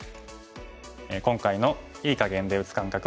今回の“いい”かげんで打つ感覚